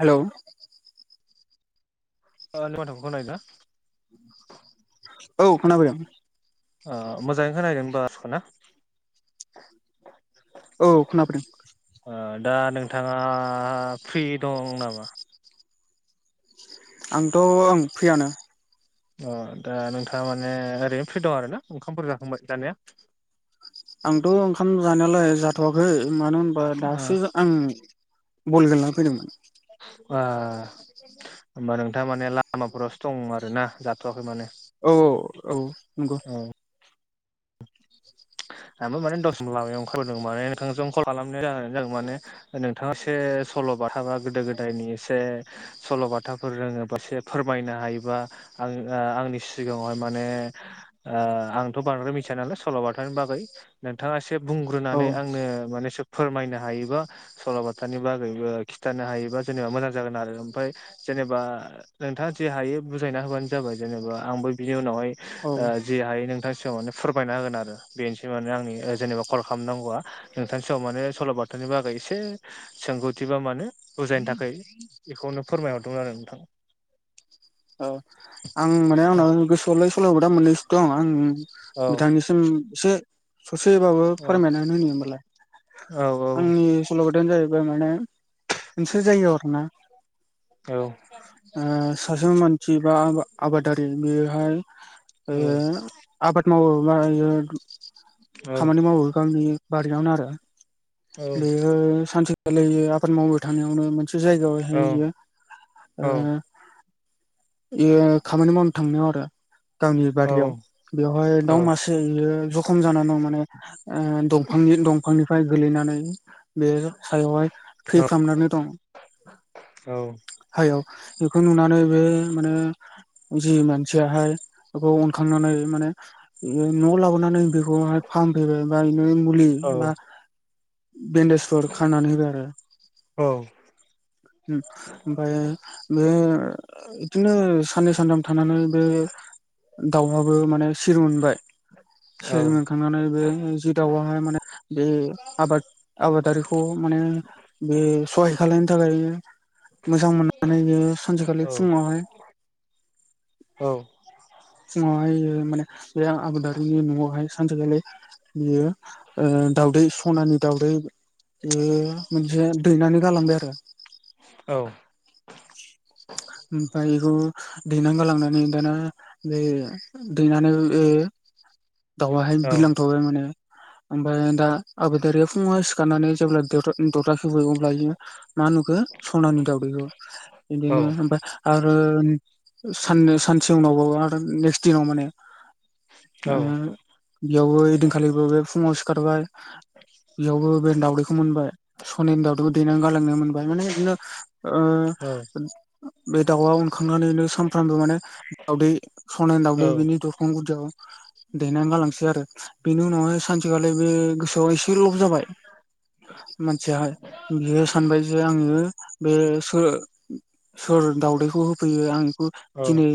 हेल' आंनि माथोखौ खोनायोना? औ खोना फैदों। ओ मोजाङै खोनाहैदो बासखना औ खोनाबोदों ओ दा नोंथाङा फ्रि दं नामा? आंथ' ओं फ्रियानो। अ दा नोंथाङा माने ओरैनो फ्रि दं आरोना ओंखामफोर जाखांबाय जानाया? आंथ' ओंखाम जानायालाय जाथ'वाखै मानो होनबा ओ दासो आं बल गेलना फैदोंमोन। ओ होमबा नोंथाङा माने लामाफोरावसो दं आरोना जाथवाखै माने। औ औ औ नंगौ औ आंबो माने दसम लामायाव ओंखारबोदों माने नोंथांस कल खालामनाय जाहोनानो जादों माने नोंथाङा एसे सल बाथा बा गोदो गोदायनि एसे सल बाथाफोर रोङोबासो फोरमायनो हायोबा आं ओ आंनि सिगाङावहाय माने ओ आंथ बांद्राय मि थियानालाय सल बाथानि बागै नोंथाङा एसे औ बुंग्रोनानै आंनो माने सोब फोरमायनो हायोबा सलबाथानि बागैबो खिथानो हायोबा जेनेबा मोजां जागोन आरो ओमफाय जेनेबा नोंथाङा जे हायो बुजायना होबानो जाबाय जेनेबा आंबो बिनि उनावहाय औ ओ जि हायो नोंथां सिगाङावनो फोरमायना होगोन आरो बेनोसै माने आंनि जेनेबा कल खालामनांगौआ। नोंथांनि सायाव माने सल बाथानि बागै एसे सोंगौथि बा मानोे बुजायनो थाखाय बेखौनो फोरमायहरदोंमोन आरो नोंथां। औ आं माने आंनाव गोसोआवलाय सल'बाथा मोननैसो दं आं औ बिथांनि ओम एसे ससेबाबो औ फोरमायनानै होनि होमबालाय आंनि सल बाथायानो जाहैबाय माने मानसे जायगायाव आरो ना औ ओ सासे मानसि बा आबादारि बेयोहाय ओ औ आबाद मावो बा इयो खामानि मावो गावनि बारियावनो आरो औ बेयो सानसे खालि आबाद मावबाय थानायावनो मोनसे औ जायगायावहाययो औ ओ बेयो खामानि मावनो थांनायाव आरो। गावनि बारियाव औ बेवहाय दाउ मासेयो जखम जानानानै दं। माने ओ दंफांनि दंफांनिफ्राय गोलैनानै बे सायावहाय थैफ्रामनानै दं। हायाव बेखौ नुनानै बे माने जि मानसियाहाय बेखौ अनखांनानै माने न'आव लाबोनानै बेखौहाय फाम फैबाय बा बिनो मुलि बा बेन्डेजफोर खाननानै होबाय आरो। औ ओमफाय बे इदिनो साननै सानथाम थानानै बे दाउआबो माने सिरि मोनबाय सैमोग थांनानै बे जि दाउआहाय माने जि आबाद आबादारिखौ माने बे सहाय खालामनो थाखाय मोजां मोननानै बियो सानसेखालि फुंङावहाय औ फुंङावहाय माने बे आबादारिनि नआवहाय सानसेखालि बियो ओ दाउदै सनानि दावदै बे मोनसे दैनानै गालांबाय आरो। औ ओमफ्राय बेखौ देननानै गालांनानै दाना बे दैनानै बे दाउआहाय बिलांथबाय माने। ओमफाय दा आबादारिया फुङाव सिखारनानै जेब्ला दरजा दरजा खेवबाय अब्ला इयो मा नुखो सनानि दाउदैखौ। बिदिनो ओमफाय आरो सान्नै सानसे उनावबाबा नेक्स देयाव माने ओ बेयावबो इदिनखालिबो बे फुंङाव सिखारबाय बेयावबो बे दावदैखौ मोनबाय सनानि दाउदैखौ दैनानै गालांनो मोनबाय माने इदिनो ओ बे दाउआ उनखांनानैनो सानफ्रामबो माने दाउदै सनानि दाउदै बेनि द बां गुदियाव दैनानै गालांसै आरो बेनि उनावहाय सानसेखालि बे गोसोआव एसे लब जाबाय मानसियाहाय बियो सानबाय जे आङो बे सो सोर दाउदैखौ होफैयो आं बेखौ दिनै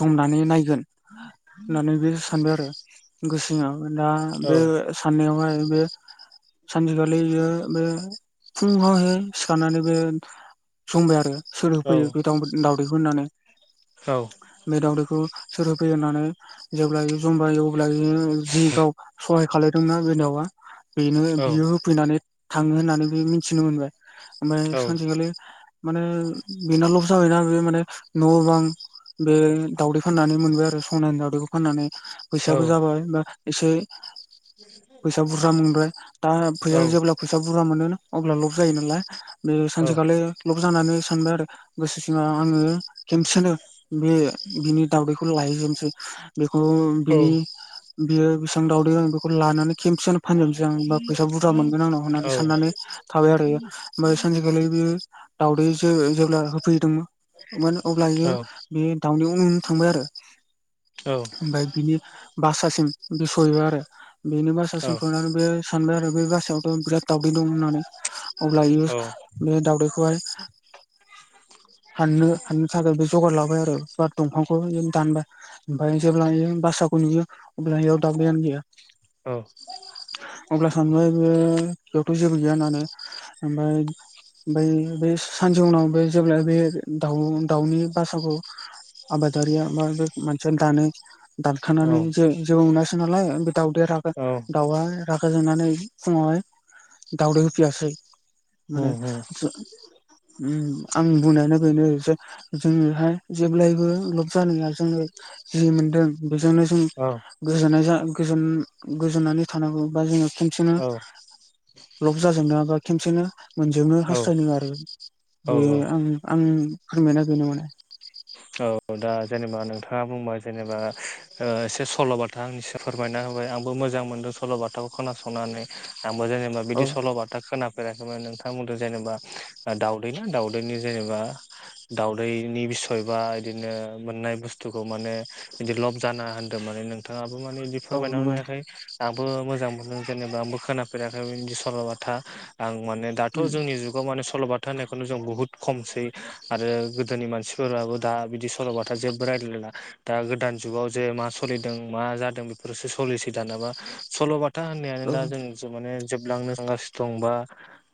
संनानै नायगोन होननानै बे सानबाय आरो गोसोसिंआव दा बे साननायाव हाय बे सानसेखालि इयो बे फुंआवहाय सिखारनानै बे संबाय आरो सोर होफैयो गोथां दावदैखौ होननानै औ बे दावदैखौ सोर होफैयो होननानै जेब्ला बियो जमबाय अब्ला बियो जि गाव सहाय खालायदोंना बे दावा बेनो बियो फैनानै थाङो होननानै बे मिथिनो मोनबाय ओमफ्राय सानसेखालि माने बिनालस जाबायना बे माने न बां बे दावदै फाननानै मोनबाय आरो सनानि दाउदैखौ फाननानै फैसाबो जाबाय बा एसे फैसा बुरजा मोनबाय दा फैसा जेब्ला फैसा बुरजा मोनो अब्ला लब जायो नालाय बे सानसेखालि लब जानानै सानबाय आरो गोसो सिङाव आङो खेनसेनो बे बिनि दावदैखौ लायहोनोसै बेखौ बिनि बियो बेसां दाउदै आं बेखौ लानानै खेमसेयनो फानजोबनोसै आं बा फैसा बुरजा मोनगोन आंनाव होननानै साननानै थाबाय आरो इयो ओमफ्राय सानसेखालि बेयो दाउदै जो जेब्ला होफैदोंमोन अब्ला इयो बे दाउनि उन उन थांबाय आरो औ ओमफ्राय बिनि बासासिम बि सहैबाय आरो बेनि बासासिम सहैनानै बे सानबाय आरो बे बासायावथ बिराद दावदै दं होननानै अब्ला बियो बे दावउदैखौहाय हाननो हाननो थाखाय बे जगार ला बाय आरो बा दंफांखौहाय आरो दानबाय ओमफ्राय जेब्ला बासाखौ नुयो। अब्ला इयान दावदैयानो गैया अब्ला सानबाय बे बेयावथ जेबो गैया होननानै ओमफ्राय ओमफ्राय बे सानसे उनाव बे जेब्ला बे दाउ दाउनि बासाखौ आबादारिया बा बे मोनसिया दानो दानखानानै जे जेबो मोनासै नालाय ओमफाय दाउदैया राबाय दाउआ रागा जोंनानै फुङावहाय दावदै होफैयासै माने सो ओम आं बुंनायानो बेनो जे जोंनिहाय जेब्लायबो लब जानाया जोङो जि मोनदों बेजोंनो जों गोजोननाय जा गोजोन गोजोननानै थानांगौ बा जोङो खनसेनो लब जाजोंना बा खेबसेनो मोनजोबनो हास्थायदों आरो बे आं आं फोरमायना बेनो मोन औ दा जेनेबा नोंथाङा बुंबाय जेनेबा ओ एसे सलबाथ था आं एसे फोरमायना होबाय आंबो मोजां मोन्दों सल' बाथाखौ खोनासंनानै आंबो जेनेबा औ बिदि सल'बाथा खोनाफेराखैमोन नोंथाङा बुंदों जेनेबा दावदैना दाउदैनि जेनेबा दावउदै नि बिस सयबा बिदिनो मोननाय बुस्थुखौ माने बिदि लब जानाङा होन्दों माने नोंथाङाबो माने औ फोरमायना नंगौ होनायखाय आंबो मोजां मोनदों जेनेबा आंबो खोनाफेराखै बिदि सल'बाथा आं माने दाथ' उम जोंनि जुगाव माने सल'बाथा होनायखौनो जों बुहुत खमसै आरो गोदोनि मानसि फोराबो दा बिदि सल'बाथा जेबो रायलायला दा गोदान जुगाव जे मा सोलिदों मा जादों बेफोरसो सलिसै दानाबा सल'बाथ था होननायानो औ दा जों माने जोबलांनो थांगासिनो दं बा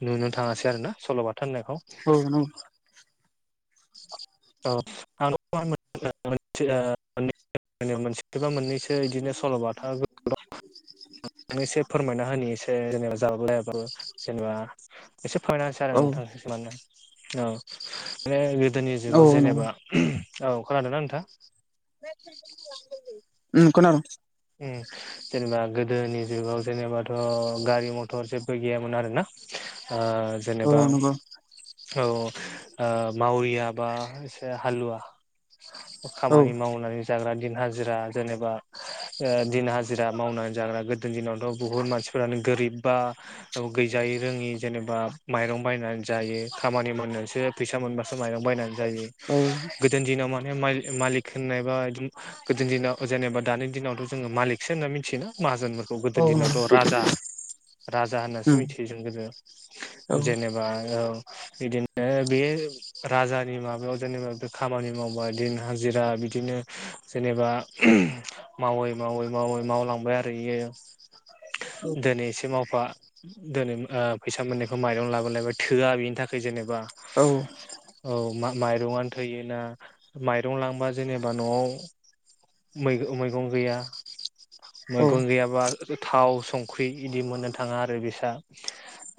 नुनो थाङासै आरो ना सल'बाथा होननायखौ औ [unintelligible] औ [unintelligible] माव मोनसेस बा मोननैसो बिदिनो सल'बाथा [unintelligible] आ एसे फोरमायना होनि एसे जेनेबा जाबाबो जायाबाबो जेनेबा एसे फोरमान सै आरो औ नोंथां माने औ माने गोदोनि औ जुगाव नंगौ जेनेबा औ खोनादोंना नोंथाङा उम खोनादों उम जेनेबा गोदोनि जुगाव जेनेबाथ' गारि मथर जेबो गैयामोन आरो ना ओ औ जेनेबा नंगौ औ ओ मावरिया बा एसे हालुवा औ खामानि मावनानै जाग्रा दिन हाजिरा जेनेबा ओ दिन हाजिरा मावनानै जाग्रा गोदो दिनावथ' बुहुत मानसिफोरानो गोरिब बा औ गैजायै रोङि जेनेबा माइरं बायनानै जायो खामानि मावनोसो फैसा मोनबा माइरं बायनानै जायो औ गोद गोदो दिनाव माने मालिक होननायबा गोदो दिनाव जेनेबा दानि दिनावथ' जोङो मालिकसो होनना मिथियोना माहाजोनफोरखौ औ गोदोनि नंगौ दिनावथ' राजा राजा होननासो उम मिथियो जों गोदो औ जेनेबा औ बिदिनो बे राजानि माबायाव जेनेबा बे खामानि मावबाया दिन हाजिरा बिदिनो जेनेबा मावै मावै मावै मावलांबाय आरो बियो दिनै एसे मावफा दिनै ओ फैसा मोननायखौ माइरं लाबो लायबाय थोआ बेनि थाखाय जेनेबा औ औ माइरंनो थैयोना माइरं लांबा जेनेबा न'आव मै मैगं गैया औ मैगं गैयाबा थाव संख्रि इदि मोननो थाङा आरो बिसा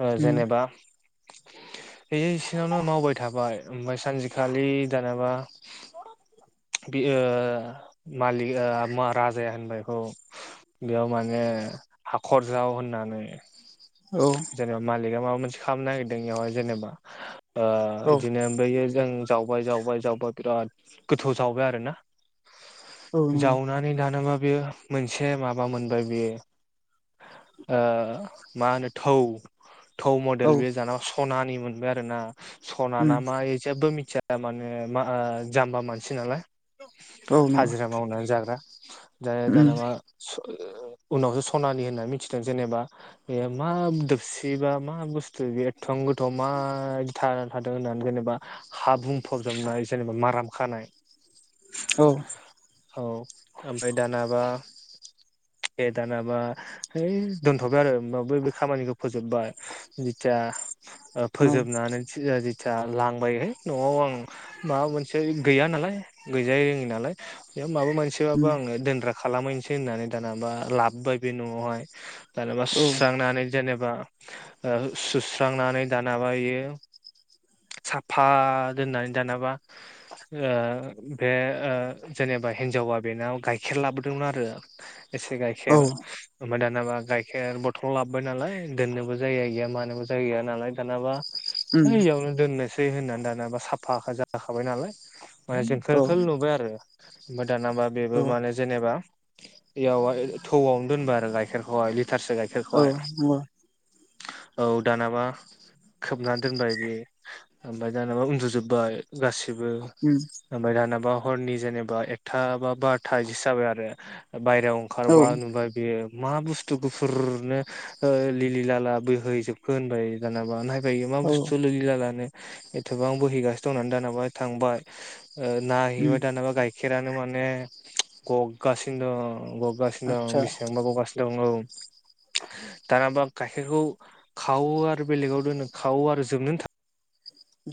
ओ उम जेनेबा बे इसोरनावनो मावबाय थाबाय ओमफ्राय सानसेखालि दानाबा बे ओ मालि ओ महा राजा जाया होनबाय बेखौ बेयाव माने हाखर जाव होननानै औ जेनेबा मालिका माबा मोनसे खालामनो नागिरदों बेयावहाय जेनेबा ओ औ बिदिनो बै जों जावबाय जावबाय जावबाय बिराद गोथौ जावबाय आरोना औ नंगौ जा [unintelligible] दानाबा बेयो मोनसे माबा मोनबाय बेयो ओ मा होनो थौ थौ औ मडेल बे जानावा सनानि मोनबाय आरोना सना उम ना मा इ जेबो मिथिया [unintelligible] माने मा जाम्बा मानसि नालाय औ नंगौ उम हाजिरा मावनानै जाग्रा दा दानाबा सु ओ उनावसो सनानि होनना मिथिदों जेनेबा बे मा दोबसि बा मा बुस्थु बे एथं गोथाव मा [unintelligible] थादों होननानै जेनेबा हा बुंफबजोबनाय जेनेबा माराम खानाय औ औ औ ओय दानाबा दानाबा है दोनथ'बाय आरो बै बे खामानिखौ फोजोबबाय जिथिया उम फोजोबनानै दा लांबायहाय न'आव आं माबा मोनसे गैया नालाय गैजा रोङि नालाय बेयाव माबा मोनसेबाबो आङो दोनग्रा खालामहैनोसै होननानै दानाबा लाबबाय बे न'आवहाय दानाबा औ सुस्रांनानै जेनेबा ओ [unintelligible] सुस्रांनानै दानाबा इयो साफा दोननानै दानाबा ओ बे ओ जेनेबा हिन्जावा बेनाव गाइखेर लाबोदोंमोन आरो एसे गाइखेर औ ओमफाय दा जेनाबा गाइखेर बथ'ल लाबबाय नालाय दोननोबो जाया गैया मानोबो जाय गैया नालाय दानाबा उम है इयावनो दोननोसै होननानै दानाबा साफा जाखाबाय नालाय मान औ जेंखोल खोल नुबाय आरो ओमफाय दानाबा औ बेबो माने ज जेनेबा इयाव [unintelligible] थौआवनो दोनबा आरो गाइखेरखौहाय लिथारसो गाइखेरखौहाय औ औ दानाबा खोबना दोनबाय बे ओमफाय दाबा उन्दुजोबबाय गासिबो नंगौ उम। ओमफाय दानाबा हरनि जेनेबा एकथा बा बारथा [unintelligible] जाबाय आरो बायरायाव औ खारबा नुबाय बेयो मा बुस्थु गुफुरनो ओ लिलि लाला बोहैजोबखो होनबाय दानाबा नाय [unintelligible] यो मा औ बुस्थु लिलि लिला [unintelligible] एथ'बां बोहैगासिनो दंनानै दानाबा थांबाय ओ उम नायहैबाय दानाबा गाइखेरानो माने गगगासिनो दं गग गासिनो आदसा दं बेसेबांबा गावगासिनो दं औ। दानाबा गाइखेरखौ खावो आरो बेलेगाव दोनो खावो आरो जोबनो [unintelligible]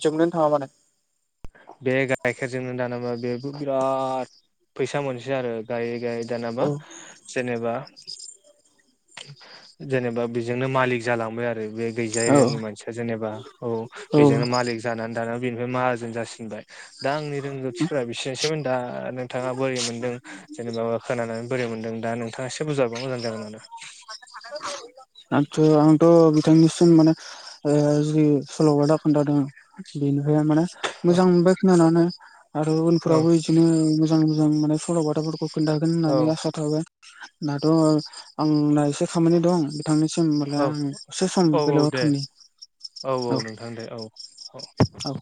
जोबनोनो थाङा माने बे गाइखेरजोंनो दानामा बेबो बिराद फैसा मोनसै आरो। गाय गायै दानाबा औ जेनेबा जेनेबा बेजोंनो मालिक जालांबाय आरो बे गैजा औ रोङि मानसिया जेनेबा औ बेजोंनो मालिक जानानै दान बेनिफाय माहाजोन जासिनबाय दा आंनि रोंगौथिफोरा बिसोनोसैमोन दा नोंथाङा बोरै मोनदों जेनेबा खोनाना [unintelligible] बोरै मोनदों दा नोंथाङा एसे [unintelligible] मोजां जागोन आरो आंथ' आंत' बिथांनिसिम माने ओ जि सल'बादा खोन्थादों बेनिफाय माने औ मोजां मोनबाय खोनानो आरो उनफोरावबो इजिनो जों जों माने सल'बाथाफोरखौ खोन्थागोन औ होननानै आसा थाबाय दाथ' आंना एसे खामानि दं बिथांनिसिम होमबालाय औ आं दसे सम औ औ बेलेगाव दे थांनि औ औ नोंथां दे औ औ। औ